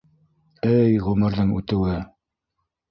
Эй, ғүмерҙең үтеүе!